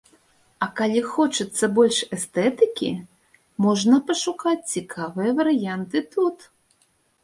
А калі хочацца больш эстэтыкі, можна пашукаць цікавыя варыянты тут.